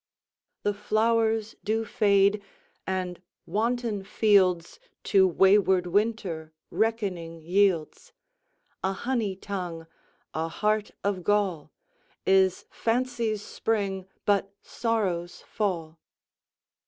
The flowers do fade, and wanton fieldsTo wayward Winter reckoning yields:A honey tongue, a heart of gall, Is fancy's spring, but sorrow's fall.